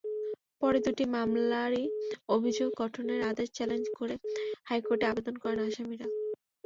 পরে দুটি মামলারই অভিযোগ গঠনের আদেশ চ্যালেঞ্জ করে হাইকোর্টে আবেদন করেন আসামিরা।